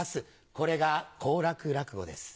これが好楽落語です。